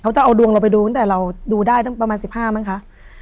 เขาจะเอาดวงเราไปดูตั้งแต่เราดูได้ตั้งประมาณ๑๕มั้งคะ